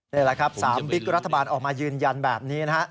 นี่แหละครับ๓บิ๊กรัฐบาลออกมายืนยันแบบนี้นะฮะ